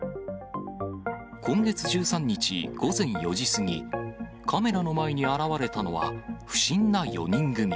今月１３日午前４時過ぎ、カメラの前に現れたのは、不審な４人組。